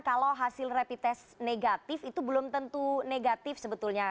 kalau hasil repitest negatif itu belum tentu negatif sebetulnya